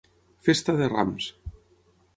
Festa de rams.